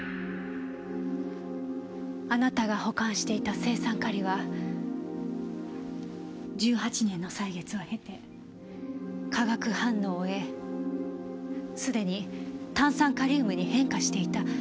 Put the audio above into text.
あなたが保管していた青酸カリは１８年の歳月を経て化学反応を終えすでに炭酸カリウムに変化していた。